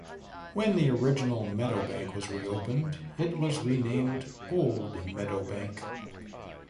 When the original Meadowbank was reopened, it was renamed Old Meadowbank.